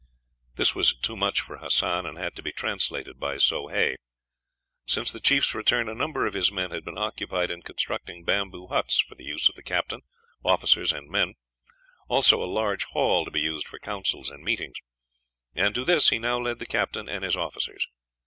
This was too much for Hassan, and had to be translated by Soh Hay. Since the chief's return, a number of his men had been occupied in constructing bamboo huts for the use of the captain, officers, and men, also a large hall to be used for councils and meetings; and to this he now led the captain and his officers.